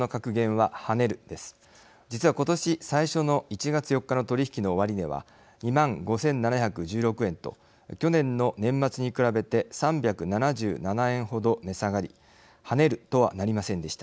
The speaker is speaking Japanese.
実は今年最初の１月４日の取り引きの終値は２万５，７１６円と去年の年末に比べて３７７円ほど値下がり跳ねるとはなりませんでした。